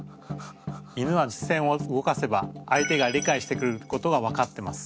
犬は視線を動かせば相手が理解してくれることが分かってます。